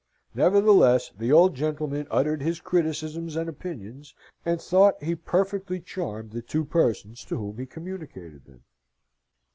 Nevertheless the old gentleman uttered his criticisms and opinions, and thought he perfectly charmed the two persons to whom he communicated them.